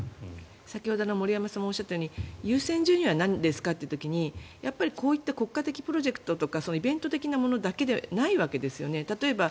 先ほど、森山さんがおっしゃったように優先順位はなんですかといった時こういった国家的なプロジェクトとかイベント的なものだけではないわけですね。